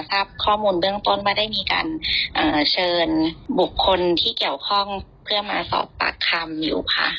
ทราบข้อมูลเบื้องต้นว่าได้มีการเชิญบุคคลที่เกี่ยวข้องเพื่อมาสอบปากคำอยู่ค่ะ